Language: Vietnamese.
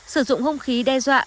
sử dụng hông khí đe dọa uy hiểm